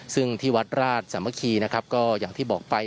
ซึ่งที่วัดราชสามัคคีนะครับก็อย่างที่บอกไป